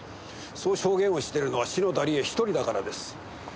そう証言をしてるのは篠田理恵１人だからです。